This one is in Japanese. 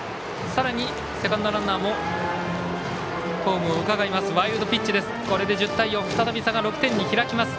さらに、セカンドランナーもホームをうかがいます。